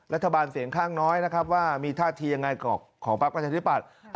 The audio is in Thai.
รัฐบาลเสียงข้างน้อยนะครับว่ามีท่าทียังไงของพักประชาธิปัตย์